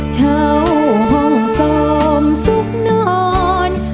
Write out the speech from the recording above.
เฉาห้องส่อมสุขนอน